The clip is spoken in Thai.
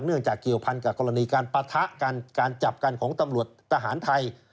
จากเกี่ยวพันกับกรณีการปะทะกันการจับกันของตำรวจทหารไทย